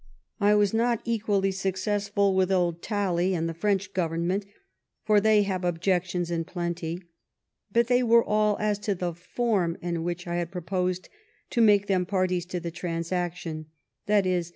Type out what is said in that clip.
I was not equally suc cessful with old Talley and the French Goyemment, for they have objections in plenty. But they were all as to the form in which I had proposed to make them parties to the transaction [i.e.